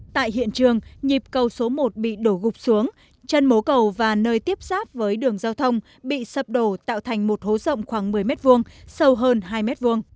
tại hiện trường nhịp cầu số một bị đổ gục xuống chân mố cầu và nơi tiếp giáp với đường giao thông bị sập đổ tạo thành một hố rộng khoảng một mươi m hai sâu hơn hai m hai